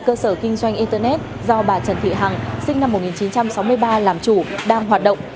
cơ sở kinh doanh internet do bà trần thị hằng sinh năm một nghìn chín trăm sáu mươi ba làm chủ đang hoạt động